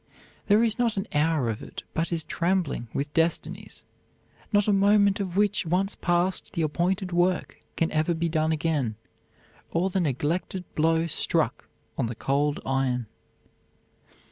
There is not an hour of it but is trembling with destinies not a moment of which, once passed, the appointed work can ever be done again, or the neglected blow struck on the cold iron."